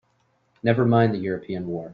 Never mind the European war!